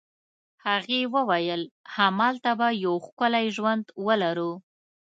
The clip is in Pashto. هغې وویل: همالته به یو ښکلی ژوند ولرو.